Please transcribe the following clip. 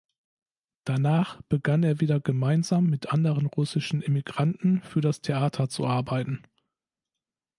Danach begann er wieder gemeinsam mit anderen russischen Emigranten für das Theater zu arbeiten.